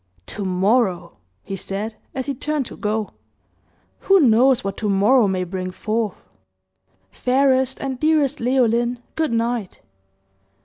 "To morrow," he said, as he turned to go. "Who knows what to morrow may bring forth! Fairest and dearest Leoline, good night!"